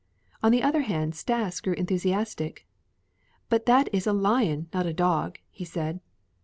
On the other hand, Stas grew enthusiastic. "But that is a lion, not a dog," he said.